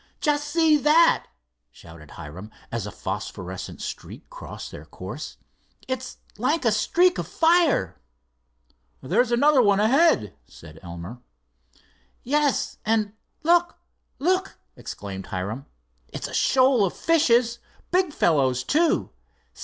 "Just see that!" shouted Hiram, as a phosphorescent streak crossed their course. "It's like a streak of fire." "There's another one ahead," said Elmer. "Yes, and look! look!" exclaimed Hiram. "It's a shoal of fishes. Big fellows, too.